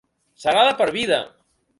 Serà de per vida!